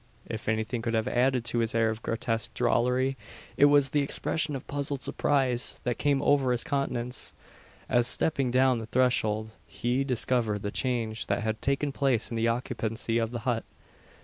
If anything could have added to his air of grotesque drollery, it was the expression of puzzled surprise that came over his countenance; as, stepping upon the threshold, he discovered the change that had taken place in the occupancy of the hut.